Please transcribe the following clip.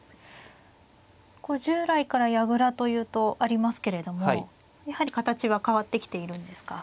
従来から矢倉というとありますけれどもやはり形は変わってきているんですか。